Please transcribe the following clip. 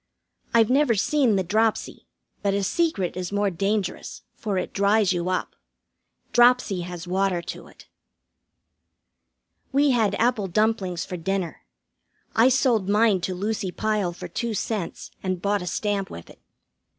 I've never seen the dropsy, but a secret is more dangerous, for it dries you up. Dropsy has water to it. We had apple dumplings for dinner. I sold mine to Lucy Pyle for two cents, and bought a stamp with it.